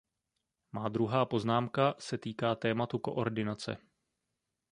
Má druhá poznámka se týká tématu koordinace.